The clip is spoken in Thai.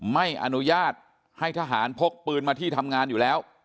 ไม่อนุญาตให้ทหารพกปืนมาที่ทำงานอยู่แล้ว